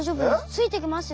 ついてきますよ！